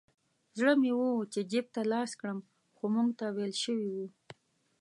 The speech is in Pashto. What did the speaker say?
زړه مې و چې جیب ته لاس کړم خو موږ ته ویل شوي وو.